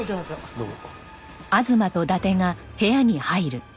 どうも。